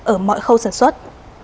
ở mọi khâu sản xuất